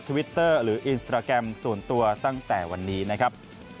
วิตเตอร์หรืออินสตราแกรมส่วนตัวตั้งแต่วันนี้นะครับ